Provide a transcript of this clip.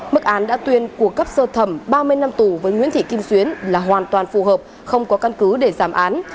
mức án đã tuyên của cấp sơ thẩm ba mươi năm tù với nguyễn thị kim xuyến là hoàn toàn phù hợp không có căn cứ để giảm án